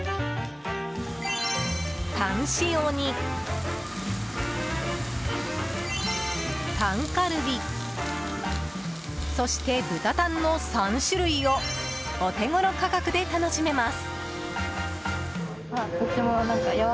タン塩に、タンカルビそして豚タンの３種類をお手頃価格で楽しめます。